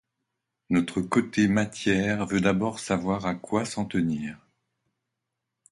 Notre côté matière veut d’abord savoir à quoi s’en tenir.